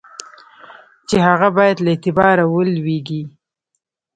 چي هغه باید له اعتباره ولوېږي.